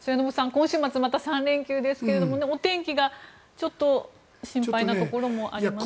今週末、また３連休ですがお天気がちょっと心配なところもありますが。